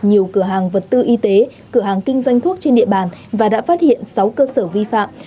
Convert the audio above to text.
nhiều cửa hàng vật tư y tế cửa hàng kinh doanh thuốc trên địa bàn và đã phát hiện sáu cơ sở vi phạm